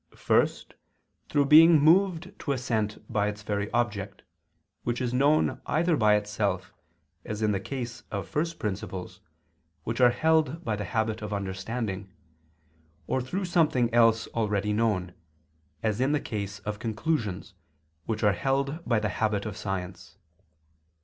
First, through being moved to assent by its very object, which is known either by itself (as in the case of first principles, which are held by the habit of understanding), or through something else already known (as in the case of conclusions which are held by the habit of science).